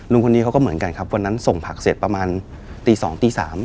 คนนี้เขาก็เหมือนกันครับวันนั้นส่งผักเสร็จประมาณตี๒ตี๓